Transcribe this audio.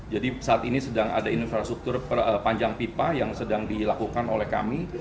jadi saat ini sedang ada infrastruktur panjang pipa yang sedang dilakukan oleh kami